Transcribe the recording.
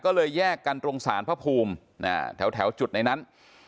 ก็เลยแยกกันตรงศาลพระภูมิแถวจุดในนั้น